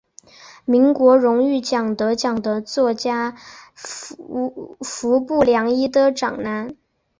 国民荣誉奖得奖的作曲家服部良一的长男。